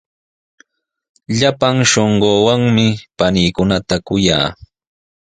Llapan shunquuwanmi paniikunata kuyaa.